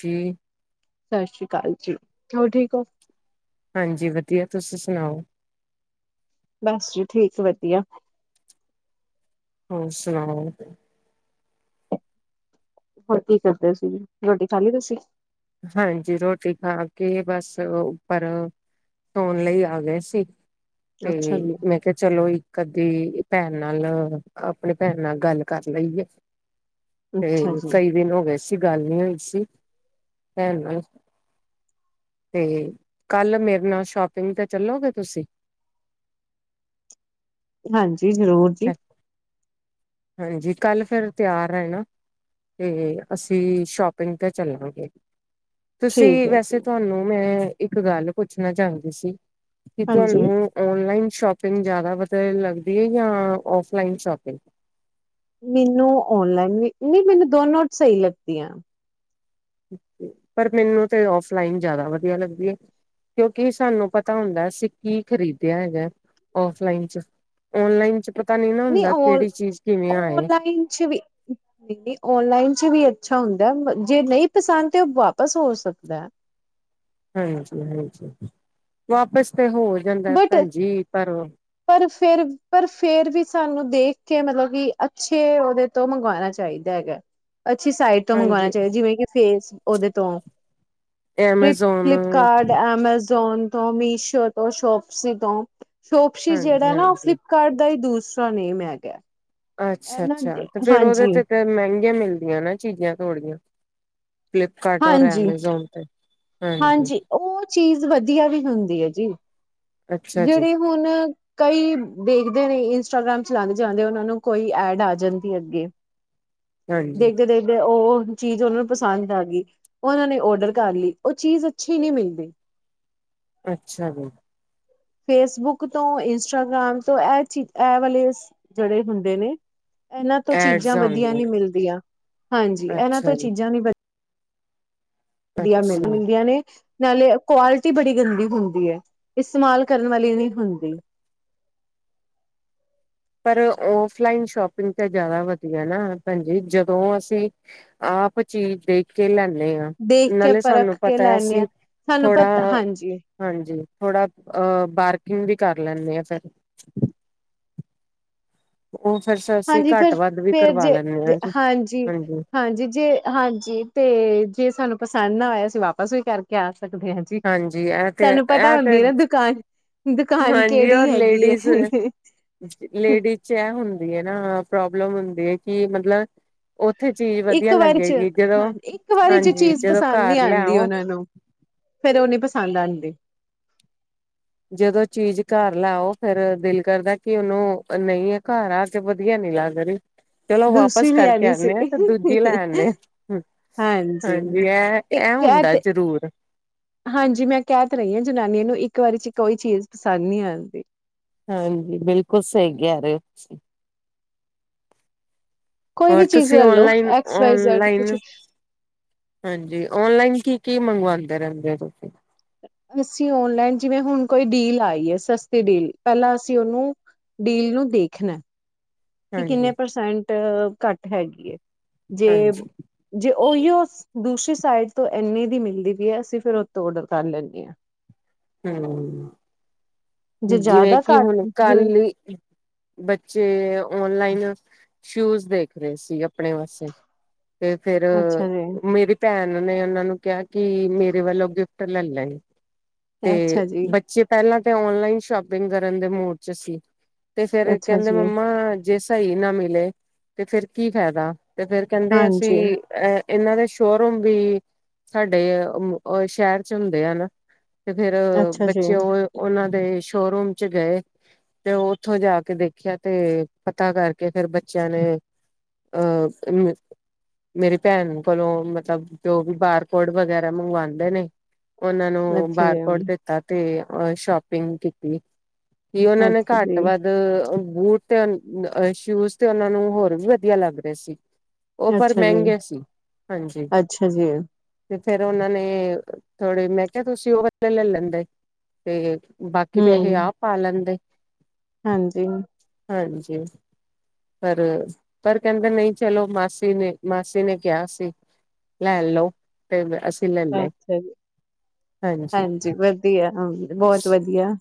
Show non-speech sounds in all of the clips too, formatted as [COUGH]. ਜੀ ਸਤਿ ਸ੍ਰੀ ਅਕਾਲ ਜੀ ਹੋਰ ਠੀਕ ਹੋ ਹਾਂਜੀ ਵਧੀਆ ਤੁਸੀ ਸੁਣਾਓ ਬਸ ਜੀ ਠੀਕ ਵਧੀਆ ਹੋਰ ਸੁਣਾਓ ਹੋਰ ਕੀ ਕਰਦੇ ਸੀ ਰੋਟੀ ਖਾਲੀ ਤੁਸੀ ਹਾਂਜੀ ਰੋਟੀ ਖਾ ਕੇ ਬਸ ਉੱਪਰ ਸੋਣ ਲਈ ਆ ਗਏ ਸੀ ਤੇ ਅੱਛਾ ਜੀ ਮੈਂ ਕਿਹਾ ਚਲੋ ਇੱਕ ਅੱਧੀ ਭੈਣ ਨਾਲ ਆਪਣੇ ਭੈਣ ਨਾਲ ਗੱਲ ਕਰ ਲਈ ਆ ਅੱਛਾ ਤੇ ਜੀ ਕਈ ਦਿਨ ਹੋ ਗਏ ਸੀ ਗੱਲ ਨਹੀਂ ਸੀ [INAUDIBLE] ਤੇ ਕੱਲ ਮੇਰੇ ਨਾਲ ਸ਼ੋਪਿੰਗ ਤੇ ਚੱਲੋਗੇ ਤੁਸੀਂ ਹਾਂਜੀ ਜਰੂਰ ਜੀ ਹਾਂਜੀ ਕੱਲ ਫਿਰ ਤਿਆਰ ਹੈ ਨਾ ਤੇ ਅਸੀਂ ਸ਼ੋਪਿੰਗ ਤੇ ਚੱਲਾਂਗੇ ਠੀਕ ਤੁਸੀਂ ਹੈ ਜੀ ਵੈਸੇ ਤੁਹਾਨੂੰ ਮੈਂ ਇੱਕ ਗੱਲ ਪੁੱਛਣਾ ਚਾਹੁੰਦੀ ਸੀ ਕਿ ਹਾਂਜੀ ਉਹ ਔਨਲਾਈਨ ਸ਼ੋਪ ਸ਼ਪਿੰਗ ਜਿਆਦਾ ਲੱਗਦੀ ਹੈ ਜਾਂ ਫਲਾਈਨ ਸ਼ੋਪਿੰਗ ਮੈਨੂੰ ਔਨਲਾਈਨ ਵੀ ਨਹੀਂ ਮੈਨੂੰ ਦੋ ਨੋਟ ਸਹੀ ਲੱਗਦੀਆਂ। ਪਰ ਮੈਨੂੰ ਤੇ ਔਫਲਾਈਨ ਜ਼ਿਆਦਾ ਵਧੀਆ ਲੱਗਦੀ ਹੈ ਕਿਉਂਕਿ ਸਾਨੂੰ ਪਤਾ ਹੁੰਦਾ ਅਸੀਂ ਕੀ ਖ਼ਰੀਦਿਆ ਹੈਗਾ ਔਫਲਾਈਨ ਚ ਔਨਲਾਈਨ ਚ ਪਤਾ ਨੀ ਨਾ ਨ ਹੁੰਦਾ ਕਿਹੜੀ ਚੀਜ਼ ਕਿਵੇਂ ਆਏ ਔਨਲਾਈਨ ਚ ਵੀ ਨਹੀਂ ਔਨਲਾਈਨ ਚ ਵੀ ਅੱਛਾ ਹੁੰਦਾ ਜੇ ਨਹੀਂ ਪਸੰਦ ਤੇ ਉਹ ਵਾਪਸ ਹੋ ਸਕਦਾ। ਹਾਂਜੀ-ਹਾਂਜੀ ਵਾਪਸ, ਹੋ ਜਾਂਦਾ ਭੈਣਜੀ ਪਰ ਫਿਰ ਪਰ ਫੇਰ ਵੀ ਸਾਨੂੰ ਦੇਖ ਕੇ ਮਤਲਬ ਕਿ ਅੱਛੇ ਉਹਦੇ ਤੋਂ ਮੰਗਵਾਣਾ ਚਾਹੀਦਾ ਹੈਗਾ। ਅੱਛੀ ਸਾਈਟ ਤੋਂ ਮੰਗਵਾਉਣਾ ਹਾਂਜੀ ਚਹੀਦਾ ਜਿਵੇ ਕਿ ਫੇਸ ਉਹਦੇ ਤੋਂ ਫ Amazon flip card Amazon ਤੋਂ ਮੀਸ਼ੋ ਉਹ ਸ਼ੋਪਸ ਤੋਂ ਸ਼ੋਪਸ਼ੀ ਹਾਂਜੀ ਜਿਹੜਾ ਨਾ ਉਹ ਹਾਂਜੀ ਫਲਿੱਪਕਾਰਟ ਦਾ ਹੀ ਦੂਰ ਦੁਸਰਾ ਨੇਮ ਹੈਗਾ। ਇਹਨਾਂ ਅੱਛਾ-ਅੱਛਾ ਤੇ ਫੇਰ ਉਹਦੇ ਹਾਂਜੀ, ਤੇ ਤੇ ਮਹਿੰਗੀਆਂ ਮਿਲਦੀਆਂ ਨਾ ਚੀਜ਼ਾਂ ਥੋੜੀਆਂ। ਫਲਿੱਪਕਾਰਟ ਔਰ ਹਾਂਜੀ, ਐਮਾਜ਼ੋਨ ਤੇ ਹਾਂਜੀ ਚੀਜ਼ ਵਧੀਆ ਵੀ ਹੁੰਦੀ ਹੈ ਜੀ। ਅੱਛਾ ਜੀ ਜਿਹੜੀ ਹੁਣ ਕਈ ਦੇਖਦੇ ਨੇ ਇਸ ਇੰਸਟਾਗ੍ਰਾਮ ਚਲਾਦੇ ਜਾਂਦੇ ਉਹਨਾਂ ਨੂੰ ਕੋਈ ਐਡ ਆ ਜਾਂਦੀ ਅੱਗੇ ਹਾਂਜੀ ਦੇਖਦੇ-ਦੇਖਦੇ ਉਹ। ਚੀਜ਼ ਉਹਨਾਂ ਨੂੰ ਪਸੰਦ ਆ ਗਈ, ਉਹ ਉਹਨਾਂ ਨੇ ਔਡਰ ਕਰ ਲਈ ਉਹ ਚੀਜ਼ ਅੱਛੀ ਨਹੀਂ ਮਿਲਦੀ। ਅੱਛਾ ਜੀ। ਫੇਸਬੁੱਕ ਤੋਂ ਇੰਸਟਾਗ੍ਰਾਮ ਤੋਂ ਇਹ ਚ ਇਹ ਵਾਲੇ ਜਿਹੜੇ ਹੁੰਦੇ ਨੇ ਇਹਨਾਂ ਤੋਂ ਐਡਸ ਚੀਜ਼ਾਂ ਵਧੀਆ ਆਉਂਦੀਆਂ ਨੀ ਮਿਲਦੀਆਂ ਹਾਂਜੀ ਇਹਨਾਂ ਅੱਛਾ ਤੋਂ ਜੀ ਚੀਜ਼ਾਂ ਨੀ ਵਧੀਆ ਵਧੀਆ ਮਿਲ ਅੱਛਾ ਮਿਲਦੀਆਂ ਨੇ ਨਾਲੇ ਕੁਆਲਿਟੀ ਬੜੀ ਗੰਦੀ ਹੁੰਦੀ ਹੈ, ਇਸਤੇਮਾਲ ਕਰਨ ਵਾਲੀ ਨਹੀਂ ਹੁੰਦੀ। ਪਰ ਔਫਲਾਈਨ ਸ਼ੋਪਿੰਗ ਤਾਂ ਜਿਆਦਾ ਵਧੀਆ ਨਾ ਭੈਜੀ ਜਦੋਂ ਅਸੀਂ ਆਪ ਚੀਜ਼ ਦੇਖ ਕੇ ਲੈਦੇ। ਦੇ ਹਾਂ ਦੇਖ ਕੇ ਨਾਲੇ ਸਾਨੂੰ ਪਰਖ ਕੇ ਪਤਾ ਲੈਣੇ ਅਸੀਂ ਆ ਸਾਨੂੰ ਥੋੜਾ ਪਤਾ ਹਾਂਜੀ ਹਾਂਜੀ ਥੋੜਾ ਅਹ ਬਾਰਕਿੰਗ ਵੀ ਕਰ ਲੈਂਦੇ ਆ ਫੇਰ ਅਸੀਂ ਹਾਂਜੀ, ਘੱਟ ਵੱਧ ਵੀ ਫਿਰ-ਫਿਰ ਕਰਵਾ ਜੇ ਲੈਂਦੇ ਹਾਂ ਜੀ ਹਾਂਜੀ ਹਾਂਜੀ-ਹਾਂਜੀ ਜੇ ਹਾਂਜੀ ਤੇ ਜੇ ਸਾਨੂੰ ਪਸੰਦ ਨਾ ਹੋਇਆ ਸੀ ਵਾਪਸ ਵੀ ਕਰਕੇ ਆ। ਸਕਦੇ ਹਾਂ ਜੀ, ਹਾਂਜੀ ਇਹ ਤੇ ਸਾਨੂੰ ਪਤਾ ਇਹ ਹੁੰਦੀ ਤੇ ਹੈ ਨਾ ਦੁਕਾਨ ਦੁਕਾਨ ਹਾਂਜੀ, ਕਿਹੜੀ ਔਰ ਹੈਗੀ ਲੇਡੀਜ਼ ਹੈ -ਲੇਡੀਜ਼ ਚੈ ਹੁੰਦੀ ਨਾ ਪ੍ਰੋਬਲਮ ਹੁੰਦੀ ਹੈ ਕਿ, ਮਤਲਬ ਉੱਥੇ ਚੀਜ਼ ਇੱਕ ਵਧੀਆ ਵਾਰੀ ਚ, ਲੱਗੇਗੀ ਜਦੋਂ ਹਾਂ ਇੱਕ ਵਾਰੀ ਚ ਹਾਂਜੀ ਚੀਜ਼ ਜਦੋਂ ਪਸੰਦ ਨਹੀਂ ਘਰ ਆਉਂਦੀ ਲੈਓ ਉਹਨਾ ਨੂੰ, ਫਿਰ ਉਹ ਨੀ ਪ ਸਦਾਦੇ [INAUDIBLE] ਜਦੋਂ ਚੀਜ਼ ਘਰ ਲਾਓ, ਫੇਰ ਦਿਲ ਕਰਦਾ ਕਿ ਉਹਨੂੰ ਨਹੀਂ ਆ ਘਰ ਆ ਕੇ ਵਧੀਆ ਨੀ ਲੱਗ ਰਹੀ। ਚਲੋ ਵਾਪਸ ਦੂਸਰੀ ਨਹੀਂ ਕਰਕੇ ਆਣੀ ਸੀ, ਆਨੇ ਆ ਤੇ ਦੂਜੀ ਲੈ ਆਨੇ ਆ ਹਾਂਜੀ ਇਹ ਇਹ ਕਹਿ ਹੁੰਦਾ ਤੇ ਜ਼ਰੂਰ ਹਾਂਜੀ ਮੈਂ ਕਹਿ ਤੇ ਰਹੀ ਹਾਂ ਜਨਾਨੀਆਂ ਨੂੰ ਇੱਕ ਵਾਰੀ ਕੋਈ ਚੀਜ਼ ਪਸੰਦ ਨਹੀਂ ਆਉਂਦੀ? ਹਾਂਜੀ, ਬਿਲਕੁਲ ਸਹੀ ਕਿਹ ਰਹੇ ਹੋ ਤੁਸੀ। ਕੋਈ ਹੋਰ ਵੀ ਚੀਜ਼ ਤੁਸੀਂ ਲੈਲੋ ਓਲਾਈਨ, ਐਕਸ ਵਾਈ ਜੈਡ ਕੁਛ ਓਨਲਾਈਨ, ਹਾਂਜੀ ਓਨਲਾਈਨ ਕੀ ਕੀ ਮੰਗਵਾੰਦੇ ਰਹਿੰਦੇ ਰ ਅਸੀਂ ਓਨਲਾਈਨ ਜਿਵੇਂ ਹੁਣ ਕੋਈ ਡੀਲ ਆਈ ਹੈ, ਸਸਤੀ ਡੀਲ, ਪਹਿਲਾਂ ਅਸੀਂ ਉਹਨੂੰ ਡੀਲ ਨੂੰ ਦੇਖਣਾ ਕਿ ਕਿੰਨੇ ਹਾਂਜੀ ਪਰਸੈਂਟ? ਘੱਟ ਹੈਗੀ ਜੇ ਹਾਂਜੀ -ਜੇ ਓਹੀਓ ਦੂਸਰੀ ਸਾਈਡ ਤੋਂ ਇੰਨੇ ਦੀ ਮਿਲਦੀ ਵੀ ਹੈ, ਅਸੀਂ ਫਿਰ ਉਤੋਂ ਔਡਰ ਕਰ ਲੈਂਦੇ ਹਾਂ। ਹਮ ਜੇ ਜਿਵੇਂ ਜ਼ਿਆਦਾ ਕਿ ਘੱਟ ਹੁਣ, ਜਿਵੇਂ ਕੱਲ ਬੱਚੇ ਓਨਲਾਈਨ ਸ਼ੂਜ਼ ਦੇਖ ਰਹੇ ਸੀ, ਆਪਣੇ ਵਾਸਤੇ। ਤੇ ਫੇਰ ਅੱਛਾ ਜੀ ਮੇਰੀ ਭੈਣ ਉਹਨਾਂ ਨੇ ਉਹਨਾਂ ਨੂੰ ਕਿਹਾ ਕਿ, ਮੇਰੇ ਵੱਲੋਂ ਗਿਫਟ ਲੈ ਲੈ। ਤੇ ਅੱਛਾ ਜੀ ਬੱਚੇ ਪਹਿਲਾਂ ਔਨਲਾਈਨ ਸ਼ੋਪਿੰਗ ਕਰਨ ਦੇ ਮੂੜ ਚ ਸੀ। ਤੇ ਫਿਰ ਅੱਛਾ ਕਹਿੰਦੇ ਜੀ ਮੰਮਾ ਜੇ ਸਹੀ ਨਾ ਮਿਲੇ, ਤੇ ਫਿਰ ਕੀ ਫ਼ਾਇਦਾ। ਤੇ ਫੇਰ ਕਹਿੰਦੇ ਅਸੀਂ ਹਾਂਜੀ ਅ ਇਹਨਾਂ ਦੇ ਸ਼ੋਰੂਮ ਵੀ, ਸਾਡੇ ਸ਼ਹਿਰ ਚ ਹੁੰਦੇ ਆ ਨਾ। ਤੇ ਫਿਰ ਅੱਛਾ ਜੀ ਬੱਚੇ ਉਹ ਉਹਨਾਂ ਦੇ ਸ਼ੋਰੂਮ ਚ ਗਏ ਤੇ, ਉੱਥੋਂ ਜਾ ਕੇ ਦੇਖਿਆ ਤੇ ਪਤਾ ਕਰਕੇ ਫਿਰ ਬੱਚਿਆਂ ਨੇ, ਅਹ ਮੇਰੀ ਭੈਣ ਕੋਲੋਂ ਮਤਲਬ ਜੋ ਵੀ ਬਾਰਕਡ ਵਗੈਰਾ ਮੰਗਵਾਉਂਦੇ ਨੇ। ਉਹਨਾਂ ਨੂੰ ਅੱਛਾ ਬਾਰਕਟ ਜੀ ਦਿੱਤਾ ਤੇ ਸ਼ੋਪਿੰਗ ਠੀਕ [UNINTELLIGIBLE] ਕਿ ਉਹਨਾਂ ਨੇ ਅੱਛਾ ਘੱਟ- ਜੀ ਵੱਧ ਬੂਟ ਤੇ ਸ਼ੂਜ ਤੇ ਉਹਨਾਂ ਨੂੰ, ਹੋਰ ਵੀ ਵਧੀਆ ਲੱਗ ਰਿਹੇ ਸੀ। ਉਹ ਪਰ ਅੱਛਾ ਜੀ ਮਹਿੰਗੇ ਸੀ ਹਾਂਜੀ ਅੱਛਾ ਜੀ ਤੇ ਫੇਰ ਉਹਨਾਂ ਨੇ ਥੋੜੇ ਮੈਂ ਕਿਹਾ ਤੁਸੀਂ ਉਹ [UNINTELLIGIBLE] ਲੈ ਲੈਂਦੇ ਤੇ ਕਿ ਪੈਸੇ ਹਮ ਆ ਪਾ ਲੈਂਦੇ ਹਾਂਜੀ ਹਾਂਜੀ ਪਰ ਪਰ ਕਹਿੰਦੇ ਨਹੀਂ ਚਲੋ ਮਾਸੀ ਨੇ ਮਾਸੀ ਨੇ ਕਿਹਾ ਸੀ ਲੈ ਲਓ ਤੇ ਲੈ ਲਏ ਅੱਛਾ ਜੀ ਹਾਂਜੀ ਵਧੀਆ ਹਾਂ ਬਹੁਤ ਵਧੀਆ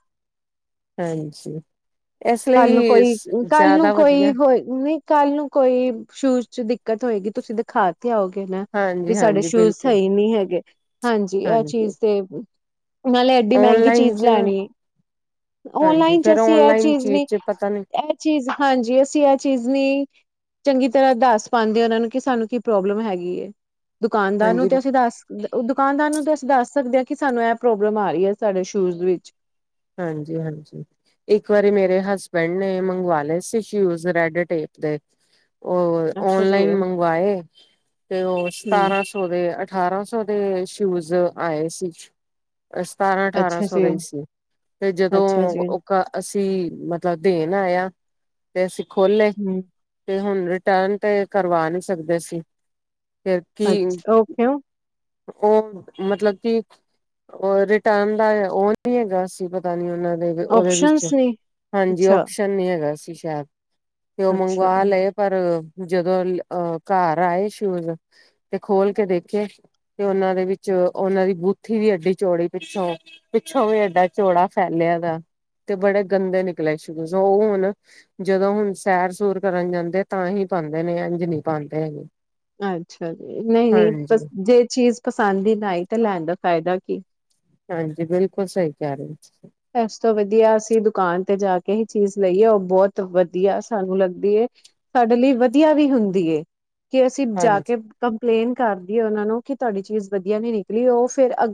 ਹਾਂਜੀ ਇਸ ਕੱਲ ਨੂੰ ਲਈ ਕੋਈ ਕੱਲ ਨੂੰ ਜ਼ਿਆਦਾ ਕੋਈ ਵਧੀਆ ਹੋ ਨਹੀਂ ਕੱਲ ਨੂੰ ਕੋਈ ਸ਼ੂਜ ਚ ਦਿੱਕਤ ਹੋਏਗੀ ਤੁਸੀਂ ਦਿਖਾ ਤੇ ਆਓਗੇ ਨਾ ਵੀ ਹਾਂਜੀ ਸਾਡੇ ਹਾਂਜੀ ਸ਼ੂਜ ਬਿਲਕੁਲ ਸਹੀ ਨਹੀਂ ਹੈਗੇ ਹਾਂਜੀ ਇਹ ਚੀਜ਼ ਤੇ ਨਾਲੇ ਐਡੀ ਮਹਿੰਗੀ ਓਨਲਾਈਨ ਚੀਜ਼ ਚ ਲੈਣੀ ਹੈ ਹਾਂਜੀ ਓਨਲਾਈਨ ਚ ਫੇਰ ਅਸੀਂ ਇਹ ਓਨਲਾਈਨ ਚੀਜ਼ ਨਹੀਂੀ ਚ ਪਤਾ ਨੀ ਇਹ ਚੀਜ਼ ਹਾਂਜੀ ਅਸੀਂ ਇਹ ਚੀਜ਼ ਨੀ ਚੰਗੀ ਤਰ੍ਹਾਂ ਦੱਸ ਪਾਉਂਦੇ ਹੋ ਉਹਨਾਂ ਨੂੰ ਕਿ ਸਾਨੂੰ ਕੀ ਪ੍ਰੋਬਲਮ ਹੈਗੀ ਦੁਕਾਨਦਾਰ ਨੂੰ ਹਾਂਜੀ ਤੇ ਅਸੀਂ ਦੱਸ ਦੁਕਾਨਦਾਰ ਨੂੰ ਤਾਂ ਅਸੀਂ ਦੱਸ ਸਕਦੇ ਹਾਂ ਕਿ ਸਾਨੂੰ ਇਹ ਪ੍ਰੋਬਲਮ ਆ ਰਹੀ ਹੈ ਸਾਡੇ ਸ਼ੂਜ਼ ਵਿੱਚ ਹਾਂਜੀ ਹਾਂਜੀ ਇੱਕ ਵਾਰੀ ਮੇਰੇ ਹਸਬੈਂਡ ਨੇ ਮੰਗਵਾ ਲਏ ਸੀ ਸ਼ੂਜ ਰੈਡ ਟੇਪ ਦੇ ਉਹ ਅੱਛਾ ਜੀ ਔਨਲਾਈਨ ਮੰਗਵਾਏ ਤੇ ਉਹ ਹਮ ਸਤਾਰਾਂ ਸੌ ਦੇ ਅਠਾਰਾਂ ਸੌ ਦੇ ਸ਼ੂਜ ਆਏ ਸੀ ਸਤਾਰਾਂ ਅਠਾਰਾਂ ਅੱਛਾ ਸੌ ਜੀ ਦੇ ਈ ਸੀ ਤੇ ਜਦੋਂ ਅੱਛਾ ਜੀ ਉਹ ਮਤਲਬ ਦੇਣ ਆਇਆ ਤੇ ਅਸੀਂ ਖੋਲੇ ਹਮ ਤੇ ਹੁਣ ਰਿਟਰਨ ਤੇ ਕਰਵਾ ਨਹੀਂ ਸਕਦੇ ਸੀ ਫਿਰ ਕੀ ਅੱਛਾ ਓਹ ਕਿਉੰ? ਉਹ ਮਤਲਬ ਕਿ ਉਹ ਰਿਟਰਨ ਦਾ ਉਹ ਨਹੀਂ ਹੈਗਾ ਅਸੀ ਪਤਾ ਨੀ ਉਹਨਾ ਉਹਦੇ ਵਿੱਚ ਓਪਸ਼ਨਸ ਨੇ ਹਾਂਜੀ ਅੱਛਾ ਓਪਸ਼ਨ ਨੀ ਹੈਗਾ ਸੀ [UNINTELLIGIBLE] ਕਿ ਉਹ ਅੱਛਾ ਮੰਗਵਾ ਲਏ ਪਰ ਜਦੋਂ ਅਹ ਘਰ ਆਏ ਸ਼ੂਜ ਤੇ ਖੋਲ ਕੇ ਦੇਖੇ ਤੇ ਉਹਨਾਂ ਦੇ ਵਿੱਚ ਉਹਨਾਂ ਦੀ ਬੂਥੀ ਵੀ ਐਡੀ ਚੋੜੀ ਪਿੱਛੋਂ ਪਿੱਛੋਂ ਵੀ ਐਡਾ ਚੌੜਾ ਫੈਲਿਆ ਦਾ ਤੇ ਬੜੇ ਗੰਦੇ ਨਿਕਲੇ ਸ਼ੂਜ਼ ਉਹ ਹੁਣ ਜਦੋਂ ਹੁਣ ਸੈਰ ਸੂਰ ਕਰਨ ਜਾਂਦੇ ਤਾਂ ਹੀ ਪਾਉਂਦੇ ਨੇ ਇੰਝ ਨਹੀਂ ਪਾਉਂਦੇ ਹੈਗੇ ਅੱਛਾ ਜੀ ਨਹੀਂ ਨਹੀਂ ਹਾਂਜੀ ਜੇ ਚੀਜ਼ ਪਸੰਦ ਹੀ ਨਾ ਆਈ ਤੇ ਲੈਣ ਦਾ ਫਾਇਦਾ ਕੀ ਹਾਂਜੀ ਬਿਲਕੁਲ ਸਹੀ ਕਹਿ ਰਹੇ ਇਸ ਤੋਂ ਵਧੀਆ ਅਸੀਂ ਦੁਕਾਨ ਤੇ ਜਾ ਕੇ ਹੀ ਚੀਜ਼ ਲਈਏ ਉਹ ਬਹੁਤ ਵਧੀਆ ਸਾਨੂੰ ਲੱਗਦੀ ਐ ਸਾਡੇ ਲਈ ਵਧੀਆ ਵੀ ਹੁੰਦੀ ਕਿ ਅਸੀਂ ਜਾ ਹਾਂਜੀ ਕੇ ਕੰਪਲੇਨ ਕਰਦੀ ਹੈ ਉਹਨਾਂ ਨੂੰ ਕਿ ਤੁਹਾਡੀ ਚੀਜ਼ ਵਧੀਆ ਨੀ ਨਿਕਲੀ ਉਹ ਫੇਰ ਅ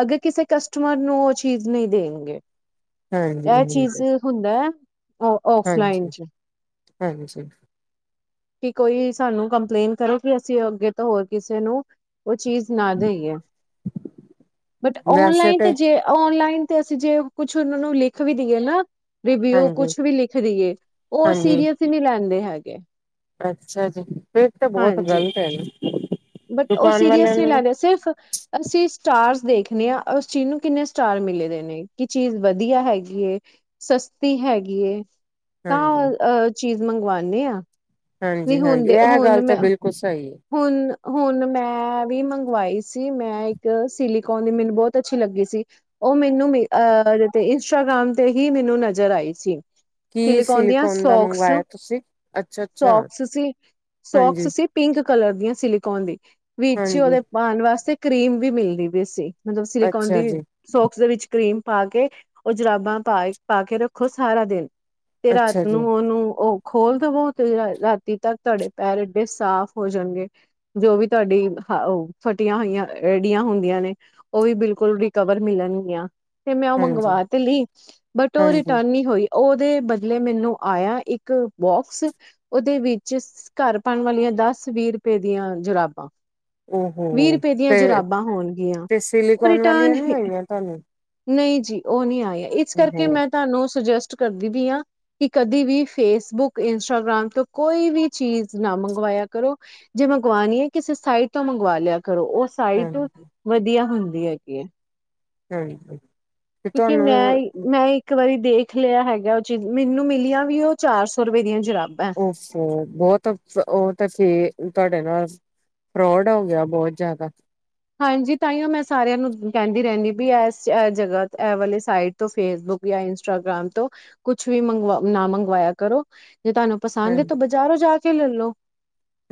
ਅੱਗੇ ਕਿਸੇ ਕਸਟਮਰ ਨੂੰ ਉਹ ਚੀਜ਼ ਨਹੀਂ ਦੇਣਗੇ [INAUDIBLE] ਹਾਂਜੀ ਇਹ ਚੀਜ਼ ਹਾਂਜੀ ਹੁੰਦਾ। ਔਫਲਾਈਨ ਹਾਂਜੀ ਚ ਹਾਂਜੀ ਕਿ ਕੋਈ ਸਾਨੂੰ ਕੰਪਲੇਂਨ ਕਰੇ ਕਿ ਅਸੀਂ ਅੱਗੇ ਤੋਂ ਹੋਰ ਕਿਸੇ ਨੂੰ ਉਹ ਚੀਜ਼ ਨਾ ਦੇਈਏ ਬਟ ਔਨਲਾਈਨ ਤੇ ਜੇ ਔਨਲਾਈਨ ਤੇ ਅਸੀਂ ਜੇ ਕੁਛ ਉਹਨਾਂ ਨੂੰ ਲਿਖ ਵੀ ਦੇਈਏ ਨਾ ਰਿਵਿਊ ਹਾਂਜੀ ਕੁਛ ਵੀ ਲਿਖ ਦਈਏ ਉਹ ਹਾਂਜੀ ਸੀਰੀਅਸ ਹੀ ਨਹੀਂ ਲੈਂਦੇ ਹੈਗੇ [INAUDIBLE] ਅੱਛਾ ਜੀ ਤੇ ਬਹੁਤ ਹਾਂਜੀ ਗ਼ਲਤ ਹੈ ਨਾ ਬਟ ਉਹ ਦੁਕਾਨ ਵਾਲਿਆਂ ਸੀਰੀਅਸ ਨਹੀਂ ਨੂੰ ਲੈਂਦੇ ਸਿਰਫ ਅਸੀਂ ਸਟਾਰਸ ਦੇਖਣੇ ਆ ਉਸ ਚੀਜ਼ ਨੂੰ ਕਿੰਨੇ ਸਟਾਰ ਮਿਲੇ ਦੇ ਨੇ ਕਿ ਚੀਜ਼ ਵਧੀਆ ਹੈਗੀ ਸਸਤੀ ਹੈਗੀ ਤਾਂ ਹਾਂਜੀ ਅ ਚੀਜ਼ ਮੰਗਵਾਂਣੇ ਆ ਵੀ ਹਾਂਜੀ ਹੁਣ ਹਾਂਜੀ ਦੇ ਇਹ ਹੁਣ ਗੱਲ ਤਾਂ ਮੈਂ ਬਿਲਕੁਲ ਸਹੀ ਹੈ ਹੁਣ ਹੁਣ ਮੈਂ ਵੀ ਮੰਗਵਾਈ ਸੀ ਮੈਂ ਇੱਕ ਸੀਲੀਕੋਨ ਦੀ ਮੈਨੂੰ ਬਹੁਤ ਅੱਛੀ ਲੱਗੀ ਸੀ ਉਹ ਮੈਨੂੰ ਅਹ ਇੰਸਟਾਗ੍ਰਾਮ ਤੇ ਹੀ ਮੈਨੂੰ ਨਜ਼ਰ ਆਈ ਸੀ ਕੀ ਸੀਲਿਕੋਂਣ ਦੀਆਂ ਸਿਲੀਕੋਨ ਦਾ ਸੋਕਸ ਮੰਗਵਾਇਆ ਤੁਸੀਂ? ਅੱਛਾ-ਅੱਛਾ, ਸੋਕਸ ਸੀ ਸੋਕਸ ਹਾਂਜੀ। ਸੀ ਕਲਰ ਦੀਆਂ ਸਿਲੀਕੋਨ ਦੀ ਵਿੱਚੀ ਹਾਂਜੀ, ਉਹਦੇ ਪਾਉਣ ਵਾਸਤੇ ਕਰੀਮ ਵੀ ਮਿਲਦੀ ਪਈ ਸੀ ਮਤਲਬ ਸਿਲੀਕੋਨ ਅੱਛਾ ਦੀ ਜੀ, ਸੋਕਸ ਦੇ ਵਿੱਚ ਕਰੀਮ ਪਾ ਕੇ ਉਹ ਜਰਾਬਾਂ ਪਾ ਪਾ ਕੇ ਰੱਖੋ ਸਾਰਾ ਦਿਨ ਤੇ ਰਾਤ ਅੱਛਾ ਜੀ, ਨੂੰ ਉਹਨੂੰ ਉਹ ਖੋਲ ਦੇਵੋ ਤੇ ਰਾਤੀ ਤੱਕ ਤੁਹਾਡੇ ਪੈਰ ਐਡੇ ਸਾਫ਼ ਹੋ ਜਾਣਗੇ ਜੋ ਵੀ ਤੁਹਾਡੀ ਹ ਫਟੀਆਂ ਹੋਈਆਂ ਐਡੀਆ ਹੁੰਦੀਆਂ ਨੇ ਉਹ ਵੀ ਬਿਲਕੁਲ ਰਿਕਵਰ ਮਿਲਣਗੀਆਂ। ਤੇ ਮੈਂ ਉਹ ਹਾਂਜੀ, ਮੰਗਵਾ ਤੇ ਲਈ ਬਟ ਉਹ ਹਾਂਜੀ। ਰਿਟਰਨ ਨਹੀਂ ਹੋਈ ਉਹਦੇ ਬਦਲੇ ਮੈਨੂੰ ਆਇਆ, ਇੱਕ ਬੋਕਸ ਉਹਦੇ ਵਿੱਚ ਘਰ ਪਾਉਣ ਵਾਲੀਆਂ ਦਸ ਵੀਹ ਰੁਪਏ ਦੀਆਂ ਜਰਾਬਾਂ। ਓ -ਹੋ ਹੋਣਗੀਆਂ ਤੇ-ਤੇ ਉਹ ਸਿਲੀਕੌਨ ਵਾਲੀਆਂ ਰਿਟਰਨ ਨੀ ਆਈਆਂ ਤੁਹਾਨੂੰ। ਨਹੀਂ ਜੀ, ਉਹ ਨਹੀਂ ਆਈ। ਇਸ ਕਰਕੇ ਓਹੋ, ਮੈਂ ਤੁਹਾਨੂੰ ਸੁਜੈਸਟ ਕਰਦੀ ਵੀ ਹਾਂ ਕਿ, ਕਦੇ ਵੀ ਫੇਸਬੁੱਕ ਇੰਸਟਾਗ੍ਰਾਮ ਤੋਂ ਕੋਈ ਵੀ ਚੀਜ਼ ਨਾ ਮੰਗਵਾਇਆ ਕਰੋ। ਜੇ ਮੰਗਵਾਨੀ ਏ ਕਿਸੇ ਸਾਈਟ ਤੋਂ ਮੰਗਵਾ ਲਿਆ ਕਰੋ ਉਹ ਸਾਈਟ ਹਾਂਜੀ, ਵਧੀਆ ਹੁੰਦੀ ਵਧੀਆ ਕੀ। [INAUDIBLE] ਹਮ। ਕਿਉਂਕਿ ਮੈਂ-ਮੈਂ ਇੱਕ ਵਾਰੀ ਦੇਖ ਲਿਆ ਹੈਗਾ, ਉਹ ਚੀਜ਼ ਮੈਨੂੰ ਮਿਲੀਆਂ ਵੀ ਉਹ ਚਾਰ ਸੌ ਰੁਪਏ ਦੀਆਂ ਜਰਾਬ [INAUDIBLE] ਤੁਹਾਡੇ ਨਾਲ ਫਰੋਡ ਹੋ ਗਿਆ, ਬਹੁਤ ਜ਼ਿਆਦਾ? ਹਾਂਜੀ, ਤਾਹੀਓਂ ਮੈਂ ਸਾਰਿਆਂ ਨੂੰ ਕਹਿੰਦੀ ਰਹਿੰਦੀ ਬਿ, ਇਸ ਇਸ ਜਗ੍ਹਾ ਇਹ ਵਾਲੀ ਸਾਈਟ ਤੋਂ ਫੇਸਬੁਕ ਯਾ ਇੰਸਟਾਗ੍ਰਾਮ ਤੋਂ ਕੁਛ ਵੀ ਨਾ ਮੰਗਵਾਇਆ ਕਰੋ। ਜੇ ਤੁਹਾਨੂੰ ਪਸੰਦ ਏ ਤੋਂ ਬਾਜ਼ਾਰੋਂ ਜਾ [UNINTELLIGIBLE]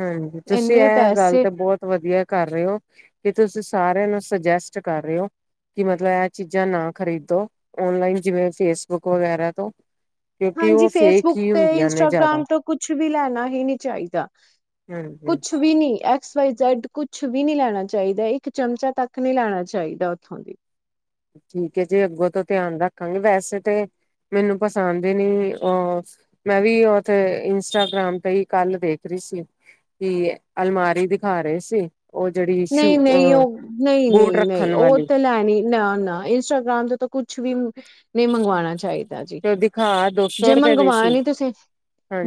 ਹੂੰ ਤੁਸੀਂ ਇੰਨੇ ਇਹ ਗੱਲ ਪੈਸੇ ਤਾਂ ਬਹੁਤ ਵਧੀਆ ਕਰ ਰਹੇ ਹੋ, ਕਿ ਤੁਸੀਂ ਸਾਰਿਆ ਨੂੰ ਸੁਜਸਟ ਕਰ ਰਹੇ ਹੋ ਕਿ, ਮਤਲਬ ਇਹ ਚੀਜ਼ਾਂ ਨਾ ਖਰੀਦੋ ਓਨਲਾਇਨ ਜਿਵੇ ਫੇਸਬੁਕ ਵਗੈਰਾ ਤੋਂ ਕਿਉਂਕਿ ਹਾਂਜੀ, ਉਹ ਫੇਕ ਫੇਸਬੁੱਕ ਹੀ ਤੇ ਹੁੰਦੀਆਂ ਨੇ ਜ਼ਿਆਦਾ ਇੰਸਟਾਗ੍ਰਾਮ ਤੋਂ ਕੁਛ ਵੀ ਲੈਨਾ ਹੀ ਨੀ ਚਾਹੀਦਾ। ਹਾਂਜੀ ਕੁਛ ਵੀ ਨਈੰ ਏ ਐਕਸ, ਵਾਪਸ, ਜੈਡ ਕੁਛ ਵੀ ਨਹੀਂ ਲੈਣਾ ਚਾਹੀਦਾ, ਇੱਕ ਚਮਚਾ ਤੱਕ ਨਹੀਂ ਲੈਣਾ ਚਾਹੀਦਾ ਉੱਥੋਂ। ਠੀਕ ਹੈ ਜੀ, ਅੱਗੋਂ ਤੋਂ ਧਿਆਨ ਰੱਖਾਂਗੇ ਵੈਸੇ ਤੇ, ਮੈਨੂੰ ਪਸੰਦ ਹੀ ਨਹੀਂ, ਉਹ ਮੈਂ ਵੀ ਉਥੇ ਇੰਸਟਾਗ੍ਰਾਮ ਤੇ ਹੀ ਕੱਲ ਦੇਖ ਰਹੀ ਸੀ ਕਿ ਅਲਮਾਰੀ ਦਿਖਾ ਰਹੇ ਸੀ। ਉਹ ਜਿਹੜੀ ਸ਼ੂ ਨਹੀਂ-ਨਹੀਂ ਅ ਉਹ ਬੂਟ ਨਹੀਂ-ਨਹੀਂ-ਨਹੀਂ ਰੱਖਣ ਉਹ ਵਾਲੀ ਤੇ ਲੈਣੀ ਨਾ-ਨਾ ਇੰਸਟਾਗ੍ਰਾਮ ਤੇ ਤਾਂ ਕੁੱਛ ਵੀ ਨਹੀਂ ਮੰਗਵਾਉਣਾ ਚਾਹੀਦਾ ਜੀ, ਤੇ ਉਹ ਦਿਖਾ ਦੋ ਸੌ ਜੇ ਰੁਪਏ ਦੀ ਸੀ ਮੰਗਵਾਣੀ ਤੁਸੀਂ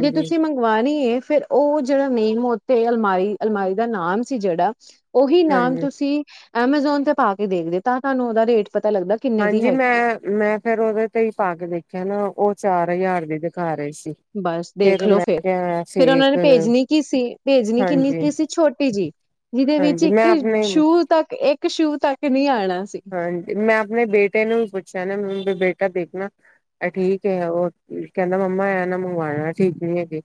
ਜੇ ਤੁਸੀਂ ਮੰਗਵਾਣੀ ਏ ਫੇਰ ਉਹ ਜਿਹੜਾ ਨਹੀਂ ਤੇ ਅਲਮਾਰੀ-ਅਲਮਾਰੀ ਦਾ ਨਾਮ ਸੀ ਜਿਹੜਾ ਉਹੀ ਨਾਮ ਹਾਂਜੀ ਤੁਸੀਂ ਐਮਾਜੋਨ ਤੇ ਪਾ ਕੇ ਦੇਖਦੇ, ਤਾਂ ਤੁਹਾਨੂੰ ਉਹਦਾ ਰੇਟ ਪਤਾ ਲੱਗਦਾ ਕਿੰਨੇ ਦੀ ਹਾਂਜੀ ਹੈਗੀ ਹੈ ਮੈਂ-ਮੈਂ ਫੇਰ ਉਹਦੇ ਤੇ ਹੀ ਪਾ ਕੇ ਦੇਖਿਆ ਨਾ ਉਹ ਚਾਰ -ਹਜ਼ਾਰ ਦੀ ਦਿਖਾ ਰਹੇ ਸੀ। ਬਸ ਦੇਖਲੋ ਮੈਂ ਫੇਰ, ਕਿਹਾ ਫਿਰ ਉਹਨਾਂ ਨੇ ਫੇਕ ਭੇਜਣੀ ਕੀ ਸੀ ਭੇਜਣੀ ਕਿੰਨੀ ਹਾਂਜੀ ਕੀ ਸੀ, ਛੋਟੀ ਜਿਹੀ ਜਿਹਦੇ ਵਿੱਚ ਹਾਂਜੀ ਇੱਕ ਮੈਂ ਆਪਣੇ ਸ਼ੂ ਤੱਕ ਇੱਕ ਇਕ ਸ਼ੂ ਤਕ ਹਾਂਜੀ, ਮੈਂ ਆਪਣੇ ਬੇਟੇ ਨੂੰ ਵੀ ਪੁੱਛਿਆ ਨਾ ਬੇਟਾ ਦੇਖਣਾ ਇਹ ਠੀਕ ਹੈ, ਉਹ ਕਹਿੰਦਾ ਮੰਮਾ ਐ ਨਾ ਮੰਗਵਾਉਣਾ ਠੀਕ ਨੀ ਹੈਗੇ।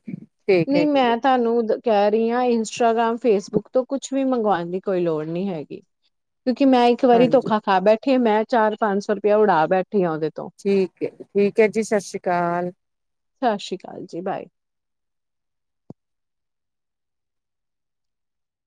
ਨਹੀਂ ਮੈਂ ਤੁਹਾਨੂੰ ਕਹਿ ਰਹੀ ਹਾਂ। ਇੰਸਟਾਗ੍ਰਾਮ ਫੇਸਬੁੱਕ ਤੋਂ ਕੁਛ ਵੀ ਮੰਗਾਣ ਦੀ ਕੋਈ ਲੋੜ ਨਹੀਂ ਹੈਗੀ। ਕਿਉਂਕਿ ਮੈਂ ਇੱਕ ਵਾਰੀ ਹਾਂਜੀ ਧੋਖਾ ਖਾ ਬੈਠੇ ਮੈਂ ਚਾਰ ਪੰਜ ਸੌ ਰੁਪਆ ਉਡਾ ਬੈ ਠੀਕ ਹੈ ਠੀਕ ਹੈ ਜੀ ਸਤਿ ਸ੍ਰੀ ਅਕਾਲ। ਸਤਿ ਸ਼੍ਰੀ ਅਕਾਲ ਜੀ, ਬਾਏ।